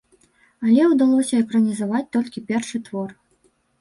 Але ўдалося экранізаваць толькі першы твор.